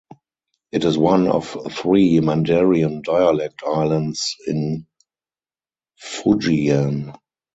It is one of three Mandarin dialect islands in Fujian.